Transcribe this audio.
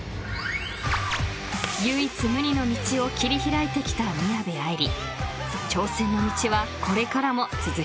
［唯一無二の道を切り開いてきた宮部藍梨］